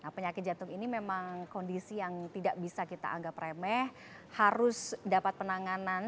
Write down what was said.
penyakit jantung ini memang kondisi yang tidak bisa kita anggap remeh harus dapat penanganan